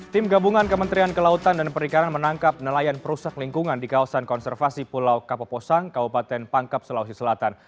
tim gabungan kementerian kelautan dan perikanan menangkap nelayan perusak lingkungan di kawasan konservasi pulau kapoposang kabupaten pangkep sulawesi selatan